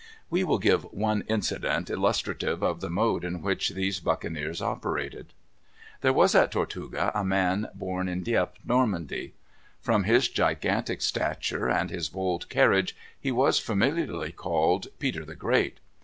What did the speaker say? We will give one incident illustrative of the mode in which these buccaneers operated. There was at Tortuga a man born in Dieppe, Normandy. From his gigantic stature and his bold carriage he was familiarly called Peter the Great.